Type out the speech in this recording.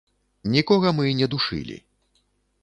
Нікога мы не душылі.